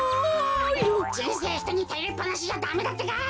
じんせいひとにたよりっぱなしじゃダメだってか！